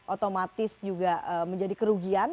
otomatis juga menjadi kerugian